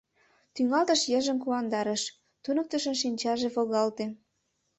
Тӱҥалтыш йыжыҥ куандарыш: туныктышын шинчаже волгалте.